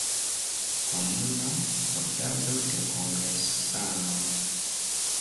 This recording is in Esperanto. Komuna fotado de kongresanoj.